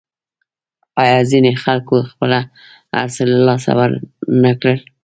آیا ځینو خلکو خپل هرڅه له لاسه ورنکړل؟